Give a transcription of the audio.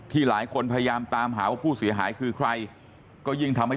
หลายคนพยายามตามหาว่าผู้เสียหายคือใครก็ยิ่งทำให้